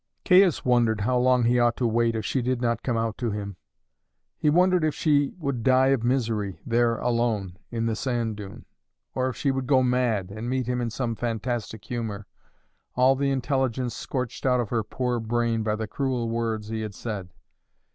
Caius wondered how long he ought to wait if she did not come out to him. He wondered if she would die of misery there alone in the sand dune, or if she would go mad, and meet him in some fantastic humour, all the intelligence scorched out of her poor brain by the cruel words he had said.